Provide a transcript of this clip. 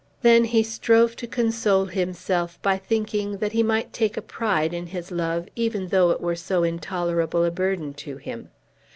Then he strove to console himself by thinking that he might take a pride in his love even though it were so intolerable a burden to him.